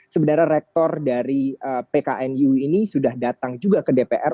sebenarnya rektor dari pknu ini sudah datang juga ke dpr